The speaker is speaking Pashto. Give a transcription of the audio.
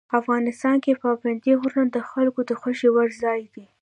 افغانستان کې پابندي غرونه د خلکو د خوښې وړ ځای دی.